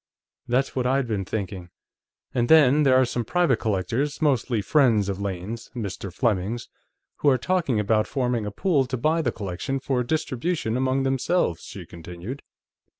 "That's what I'd been thinking.... And then, there are some private collectors, mostly friends of Lane's Mr. Fleming's who are talking about forming a pool to buy the collection for distribution among themselves," she continued.